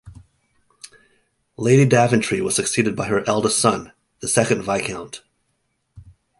Lady Daventry was succeeded by her eldest son, the second Viscount.